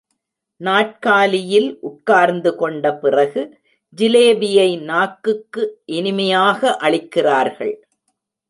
நாற்காலியில் உட்கார்ந்துகொண்ட பிறகு ஜிலேபியை நாக்குக்கு இனிமையாக அளிக்கிறார்கள்.